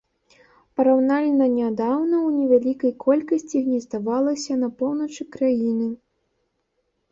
Параўнальна нядаўна ў невялікай колькасці гнездавалася на поўначы краіны.